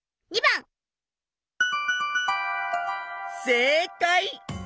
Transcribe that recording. せいかい！